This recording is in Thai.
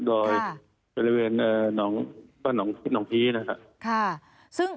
โดยบริเวณหนองผีนะครับ